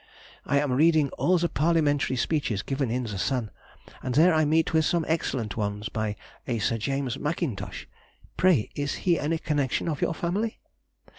I am reading all the Parliamentary speeches as given in The Sun, and there I meet with some excellent ones by a Sir James Mackintosh; pray is he any connexion of your family?